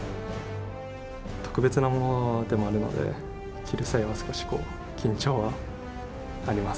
特別なものでもあるので、着る際は少し緊張はあります。